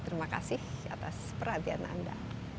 terima kasih atas perhatian anda